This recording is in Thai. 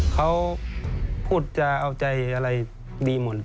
เขาพูดจะเอาใจอะไรดีหมด